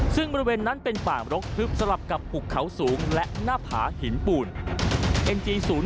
ซึ่งบริเวณนั้นเป็นป่ามรกทึบสลับกับหุบเขาสูงและหน้าผาหินปูน